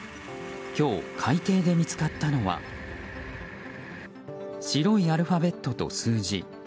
今日、海底で見つかったのは白いアルファベットと数字。